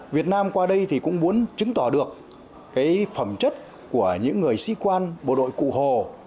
việt nam qua đây thì cũng muốn chứng tỏ được phẩm chất của những người sĩ quan bộ đội cụ hồ